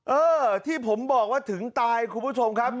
เออที่ผมบอกว่าถึงตายคุณผู้ชมครับ